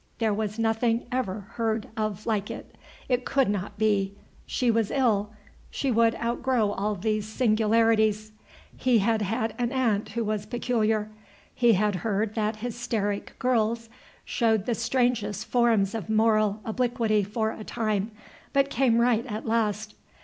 There was nothing ever heard of like it; it could not be; she was ill, she would outgrow all these singularities; he had had an aunt who was peculiar; he had heard that hysteric girls showed the strangest forms of moral obliquity for a time, but came right at last.